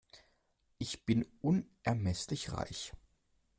Ich bin unermesslich reich.